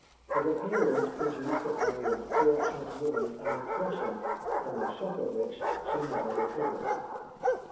His appearance produced upon the unfortunate woman an impression, from the shock of which she never recovered.